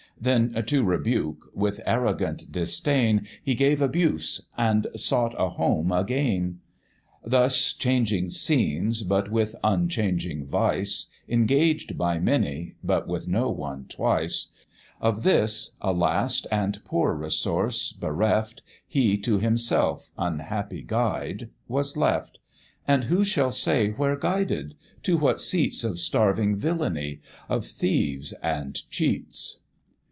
Then to rebuke with arrogant disdain, He gave abuse, and sought a home again. Thus changing scenes, but with unchanging vice, Engaged by many, but with no one twice: Of this, a last and poor resource, bereft, He to himself, unhappy guide! was left And who shall say where guided? to what seats Of starving villany? of thieves and cheats?